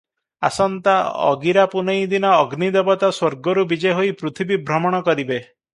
ଆସନ୍ତା ଅଗିରାପୂନେଇ ଦିନ ଅଗ୍ନି ଦେବତା ସ୍ୱର୍ଗରୁ ବିଜେ ହୋଇ ପୃଥିବୀ ଭ୍ରମଣ କରିବେ ।